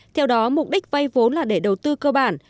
theo đó mục đích vay vốn là để đầu tư cơ bản